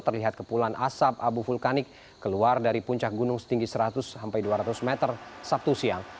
terlihat kepulan asap abu vulkanik keluar dari puncak gunung setinggi seratus sampai dua ratus meter sabtu siang